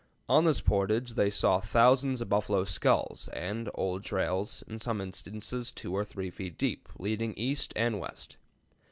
On this portage they saw thousands of buffalo skulls, and old trails, in some instances 2 or 3 feet deep, leading east and west.